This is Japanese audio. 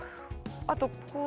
あとこう。